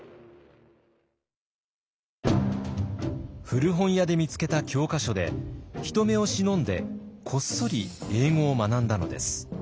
古本屋で見つけた教科書で人目を忍んでこっそり英語を学んだのです。